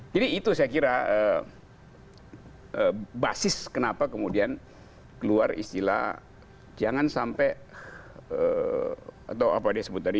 jadi itu saya kira basis kenapa kemudian keluar istilah jangan sampai atau apa dia sebut tadi